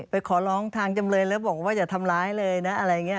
ขอร้องทางจำเลยแล้วบอกว่าอย่าทำร้ายเลยนะอะไรอย่างนี้